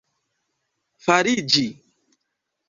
fariĝi